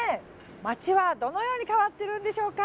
街はどのように変わっているんでしょうか。